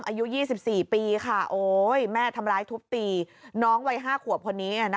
อายุ๒๔ปีค่ะโอ๊ยแม่ทำร้ายทุบตีน้องวัย๕ขวบคนนี้